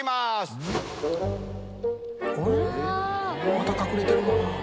また隠れてるなぁ。